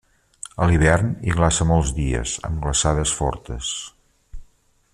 A l'hivern, hi glaça molts dies, amb glaçades fortes.